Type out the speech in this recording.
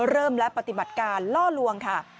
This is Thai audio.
เริ่มและปฏิบัติการล่อลวงค่ะ